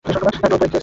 Toll পড়ে গেছে!